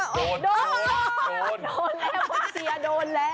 โดนแล้วเชียร์